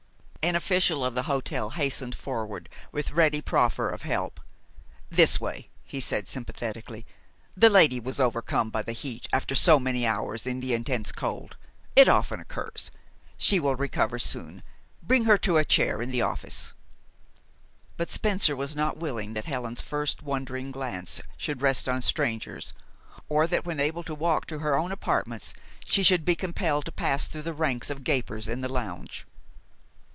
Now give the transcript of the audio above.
An official of the hotel hastened forward with ready proffer of help. "This way," he said sympathetically. "The lady was overcome by the heat after so many hours in the intense cold. It often occurs. She will recover soon. Bring her to a chair in the office." But Spencer was not willing that Helen's first wondering glance should rest on strangers, or that, when able to walk to her own apartments, she should be compelled to pass through the ranks of gapers in the lounge.